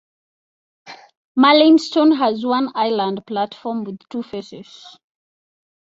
Merlynston has one island platform with two faces.